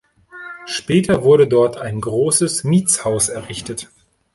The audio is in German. Später wurde dort ein großes Mietshaus errichtet.